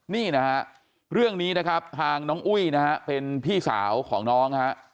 นี่นะฮะเรื่องนี้นะครับทางน้องอุ้ยนะฮะเป็นพี่สาวของน้องฮะ